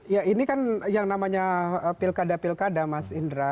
ya ini kan yang namanya pilkada pilkada mas indra